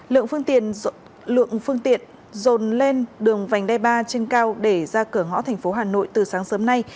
lượng phương tiện dồn lên đường vành đe ba trên cao để ra cửa ngõ thành phố hà nội từ sáng sớm nay